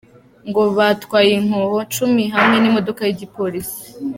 Ngo batwaye inkoho cumi hamwe n'imodoka y'igipolisi.